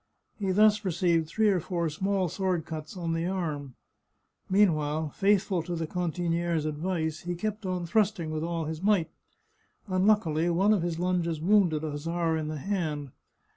He thus re ceived three or four small sword cuts on the arm. Mean while, faithful to the cantiniere's advice, he kept on thrusting with all his might. Unluckily one of his lunges wounded a hussar in the hand.